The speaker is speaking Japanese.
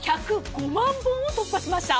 １０５万本を突破しました。